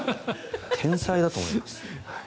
天才だと思います。